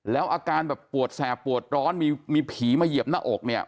แล้วอาการแบบปวดแสบปวดร้อนมีผีมาเหยียบหน้าอกเนี่ย